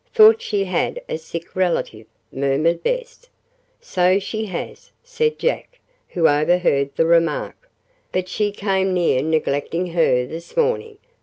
"Thought she had a sick relative," murmured Bess. "So she has," said Jack, who overheard the remark. "But she came near neglecting her this morning.